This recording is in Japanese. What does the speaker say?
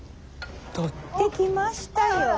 取ってきましたよ。